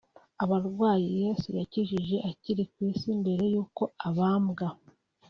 Abarwayi Yesu yakijije akiri kwisi mbere y’uko abambwa